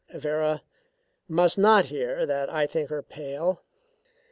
Vera must not hear that I think her pale.